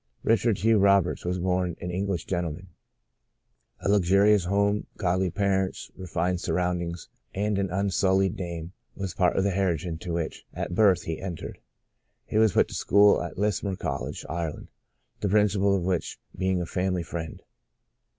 Richard Hugh Roberts was born an Eng lish gentleman. A luxurious home, godly parents, refined surroundings and an unsul lied name was part of the heritage into which, at birth, he entered. He was put to school at Lismore College, Ireland, the principal of which being a family friend.